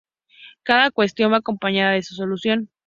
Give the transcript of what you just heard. Cada cuestión va acompañada de su solución.